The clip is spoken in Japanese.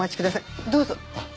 どうぞ。